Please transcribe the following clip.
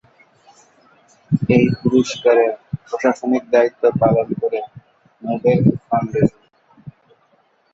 এই পুরস্কারের প্রশাসনিক দায়িত্ব পালন করে নোবেল ফাউন্ডেশন।